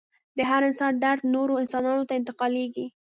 د هر انسان درد نورو انسانانو ته انتقالیږي.